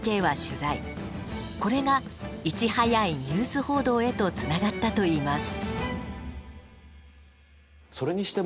これがいち早いニュース報道へとつながったといいます。